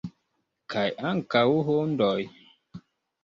Kaj ankaŭ hundoj?